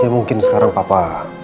ya mungkin sekarang papa